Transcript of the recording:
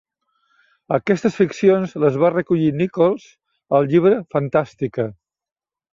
Aquestes ficcions les va recollir Nichols al llibre "Fantastica".